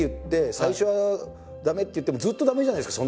最初は「駄目」って言ってもうずっと「駄目」じゃないですか